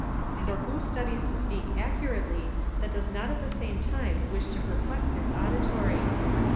["For who studies to speak accurately, that does not at the same time wish to perplex his auditory?"